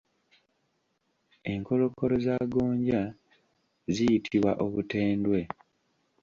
Enkolokolo za gonja ziyitibwa Obutendwe.